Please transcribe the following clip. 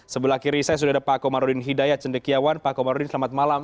sebelah kiri saya sudah ada pak komarudin hidayat cendekiawan pak komarudin selamat malam